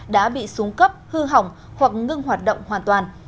đã bị xuống cấp hư hỏng hoặc ngưng hoạt động hoàn toàn